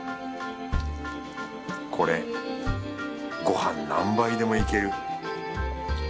これごはん何杯でもいける